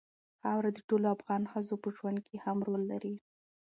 خاوره د ټولو افغان ښځو په ژوند کې هم رول لري.